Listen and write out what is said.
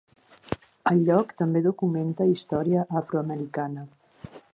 El lloc també documenta història afroamericana.